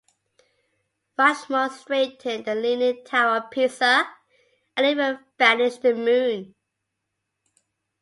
Rushmore, straighten the Leaning Tower of Pisa and even vanish the moon.